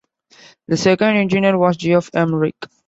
The second engineer was Geoff Emerick.